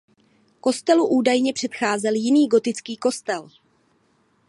Kostelu údajně předcházel jiný gotický kostel.